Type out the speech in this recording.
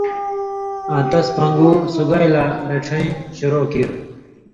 آں تس پنگُو سُگائ لا رڇھئیں شروع کیریۡ ۔